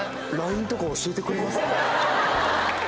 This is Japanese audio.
ＬＩＮＥとか教えてくれますかね？